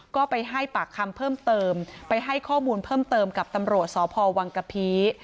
ก็ไปให้ปากคำเพิ่มเติมไปให้ข้อมูลเพิ่มเติมกับตำรวจสพวังกะพี